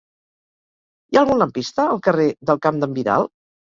Hi ha algun lampista al carrer del Camp d'en Vidal?